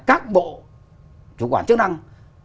các bộ chủ quản chức năng